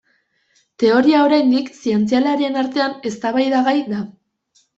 Teoria, oraindik, zientzialarien artean eztabaidagai da.